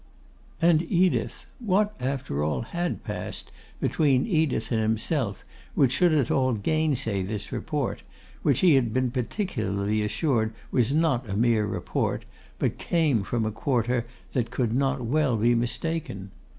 And Edith; what, after all, had passed between Edith and himself which should at all gainsay this report, which he had been particularly assured was not a mere report, but came from a quarter that could not well be mistaken?